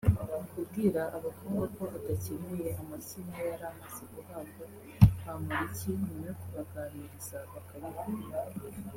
Kubwira abafungwa ko adakeneye amashyi nk’ayari amaze guhabwa Bamporiki nyuma kubaganiriza bakanyurwa